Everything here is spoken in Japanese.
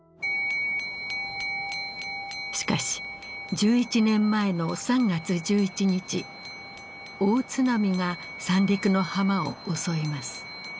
しかし１１年前の３月１１日大津波が三陸の浜を襲います。